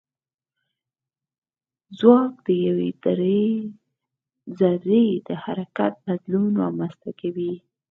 ځواک د یوې ذرې د حرکت بدلون رامنځته کوي.